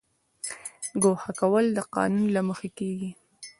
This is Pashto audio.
ګوښه کول د قانون له مخې کیږي